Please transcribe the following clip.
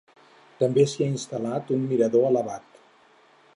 També s'hi ha instal·lat un mirador elevat.